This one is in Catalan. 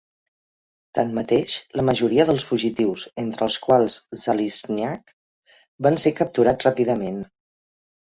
Tanmateix, la majoria dels fugitius, entre els quals Zaliznyak, van ser capturats ràpidament.